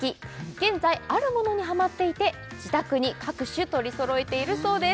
現在あるものにハマっていて自宅に各種取りそろえているそうです